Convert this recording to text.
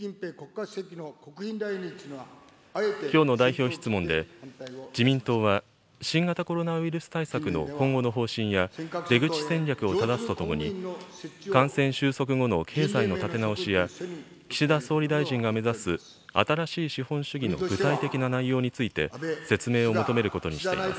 きょうの代表質問で、自民党は新型コロナウイルス対策の今後の方針や、出口戦略をただすとともに、感染収束後の経済の立て直しや、岸田総理大臣が目指す新しい資本主義の具体的な内容について、説明を求めることにしています。